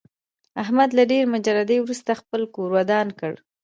احمد له ډېرې مجردۍ ورسته خپل کور ودان کړ.